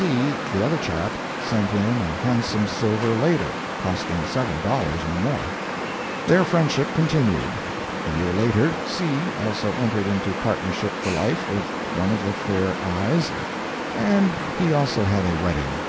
C., the other chap, sent in a handsome silver ladle, costing several dollars or more. Their friendship continued. A year later C., also entered into partnership for life with one of the fair Eyes; and he also had a wedding.